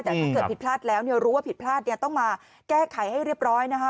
แต่ถ้าเกิดผิดพลาดแล้วรู้ว่าผิดพลาดเนี่ยต้องมาแก้ไขให้เรียบร้อยนะคะ